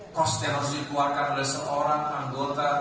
kos yang harus dikeluarkan oleh seorang anggota